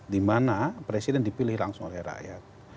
dimana presiden dipilih langsung oleh rakyat